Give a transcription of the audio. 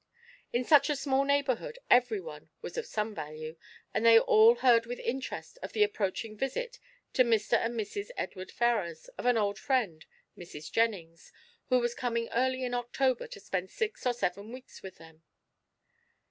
In such a small neighbourhood everyone was of some value, and they all heard with interest of the approaching visit to Mr. and Mrs. Edward Ferrars of an old friend, Mrs. Jennings, who was coming early in October to spend six or seven weeks with them.